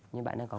nhưng bạn ấy có